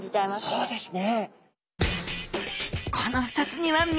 そうですね。